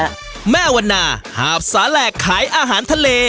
จะขายได้อย่างเงี้ยแม่วันน่าหาบสาแหลกขายอาหารทะเล